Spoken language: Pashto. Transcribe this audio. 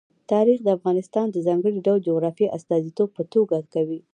تاریخ د افغانستان د ځانګړي ډول جغرافیې استازیتوب په ښه توګه کوي.